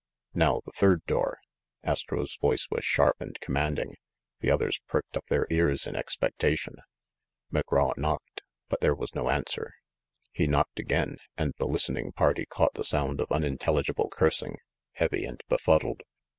"Now, the third door!" Astro's voice was sharp and commanding. The others pricked up their ears in expectation. McGraw knocked; but there was no answer. He knocked again, and the listening party caught the sound of unintelligible cursing, heavy and befuddled.